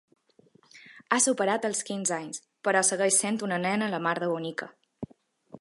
Ha superat els quinze anys, però segueix sent una nena la mar de bonica.